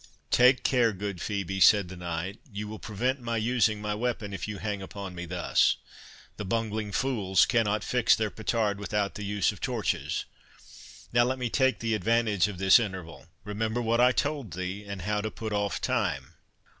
"Take care, good Phœbe," said the knight; "you will prevent my using my weapon if you hang upon me thus.—The bungling fools cannot fix their petard without the use of torches! Now let me take the advantage of this interval.—Remember what I told thee, and how to put off time."